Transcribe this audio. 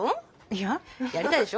やりたいでしょ？